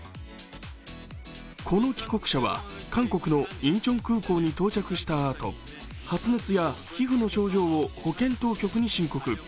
この帰国者は、韓国のインチョン空港に到着したあと発熱や皮膚の症状を保健当局に申告。